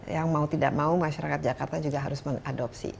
yang mau tidak mau masyarakat jakarta juga harus mengadopsi